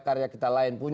ber partai lembang